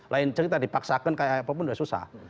lain cerita dipaksakan kayak apapun udah susah